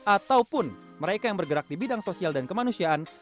ataupun mereka yang bergerak di bidang sosial dan kemanusiaan